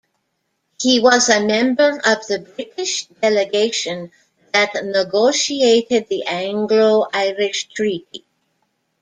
He was a member of the British delegation that negotiated the Anglo-Irish Treaty.